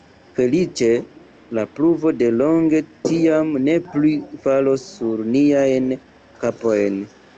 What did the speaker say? Feliĉe la pluvo de longe, tiam, ne plu falos sur niajn kapojn.